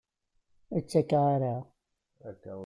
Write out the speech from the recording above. Ur ttaker ara.